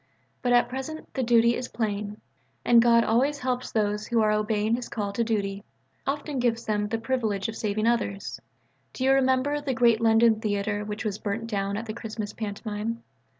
But at present the duty is plain. And God always helps those who are obeying His call to duty: often gives them the privilege of saving others. Do you remember the great London theatre which was burnt down at a Christmas pantomime?